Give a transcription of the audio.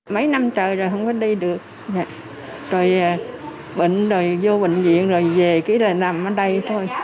mấy năm trời rồi không có đi được rồi bệnh rồi vô bệnh viện rồi về kỹ là nằm ở đây thôi